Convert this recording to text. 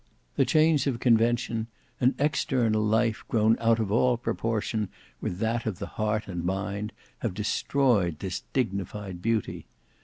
The chains of convention, an external life grown out of all proportion with that of the heart and mind, have destroyed this dignified beauty.